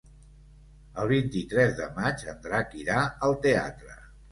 El vint-i-tres de maig en Drac irà al teatre.